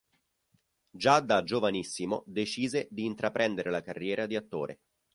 Già da giovanissimo decise di intraprendere la carriera di attore.